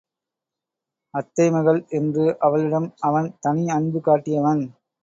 அத்தை மகள் என்று அவளிடம் அவன் தனி அன்பு காட்டியவன்.